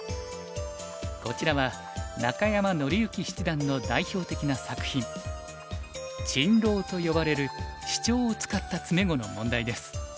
こちらは中山典之七段の代表的な作品珍瓏と呼ばれるシチョウを使った詰碁の問題です。